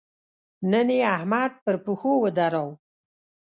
نن يې احمد پر پښو ودراوو.